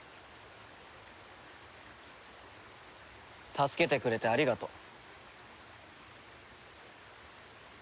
助けてくれてありがとう。